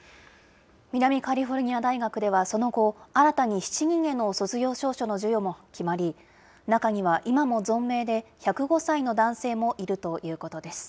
南カリフォルニア大学ではその後、新たに７人への卒業証書の授与も決まり、中には今も存命で、１０５歳の男性もいるということです。